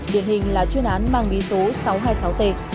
điện hình là chuyên án mang ví số sáu trăm hai mươi sáu t